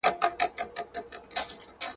و دښمن ته معلوم شوی زموږ زور وو.